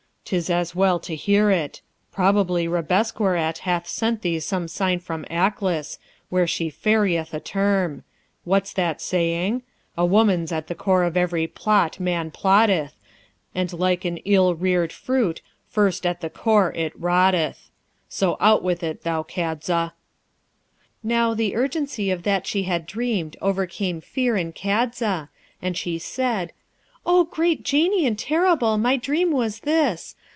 'Tis as well to hear it. Probably Rabesqurat hath sent thee some sign from Aklis, where she ferryeth a term. What's that saying: "A woman's at the core of every plot man plotteth, And like an ill reared fruit, first at the core it rotteth." So, out with it, thou Kadza!' Now, the urgency of that she had dreamed overcame fear in Kadza, and she said, 'O great Genie and terrible, my dream was this.